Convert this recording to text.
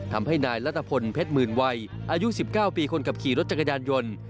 ทำให้นายรัฐพลเพชรหมื่นวัยอายุ๑๙ปีคนขับขี่รถจักรยานยนต์